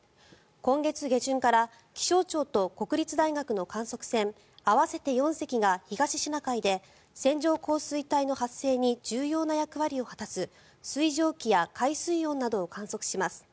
今月下旬から気象庁と国立大学の観測船合わせて４隻が、東シナ海で線状降水帯の発生に重要な役割を果たす水蒸気や海水温などを観測します。